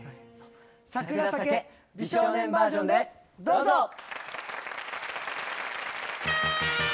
『サクラ咲ケ』美少年バージョンでどうぞ！